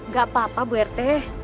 gak apa apa bu rt